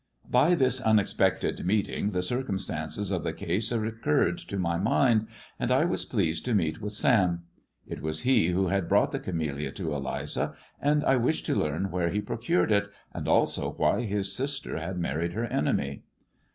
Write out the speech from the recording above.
By this unexpected meeting the circumstances of the :ase recurred to my mind, and I was pleased to meet with ^m. It was he who had brought the camellia to Eliza, und I wished to learn where he procured it, and also why lis sister had married her enemy.